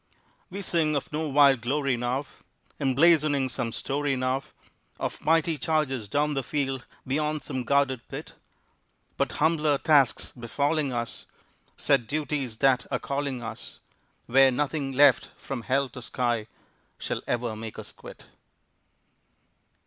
We sing of no wild glory now, Emblazoning some story now Of mighty charges down the field beyond some guarded pit; But humbler tasks befalling us, Set duties that are calling us, Where nothing left from hell to sky shall ever make us quit.